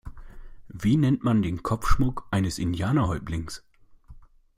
Wie nennt man den Kopfschmuck eines Indianer-Häuptlings?